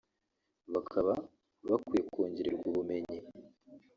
bakaba bakwiye kongererwa ubumenyi